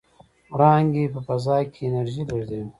وړانګې په فضا کې انرژي لېږدوي.